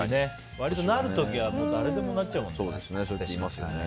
割となる時は、誰でもなっちゃう。